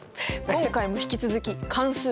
今回も引き続き関数